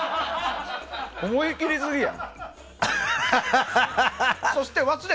思い切りすぎや！